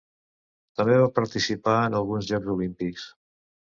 També va participar en alguns Jocs Olímpics.